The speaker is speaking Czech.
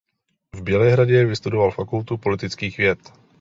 V Bělehradě vystudoval Fakultu politických věd.